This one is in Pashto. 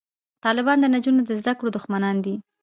طالبان د نجونو د زده کړو دښمنان دي